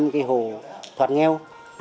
cái hồ thuật nghèo